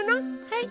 はい。